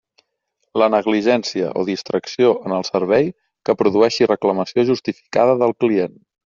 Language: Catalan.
La negligència o distracció en el servei que produeixi reclamació justificada del client.